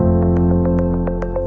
dan berikut liputannya